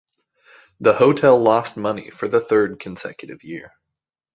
The hotel lost money for the third consecutive year.